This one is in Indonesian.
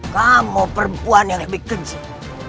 kamu perempuan yang lebih kencing